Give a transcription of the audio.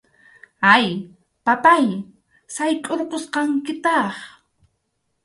A, papáy, saykʼurqusqankitaq.